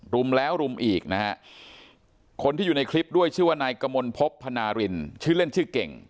รุมแล้วรุมอีกนะฮะคนที่อยู่ในคลิปด้วยชื่อว่านายกมลพบพนารินชื่อเล่นชื่อเก่ง